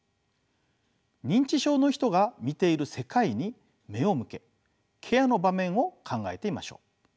認知症の人が見ている世界に目を向けケアの場面を考えてみましょう。